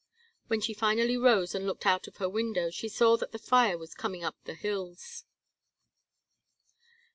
When she finally rose and looked out of her window she saw that the fire was coming up the hills.